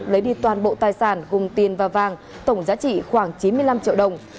lấy đi toàn bộ tài sản hùng tiền và vàng tổng giá trị khoảng chín mươi năm triệu đồng